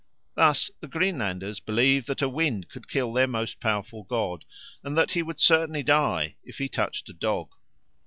Thus the Greenlanders believed that a wind could kill their most powerful god, and that he would certainly die if he touched a dog.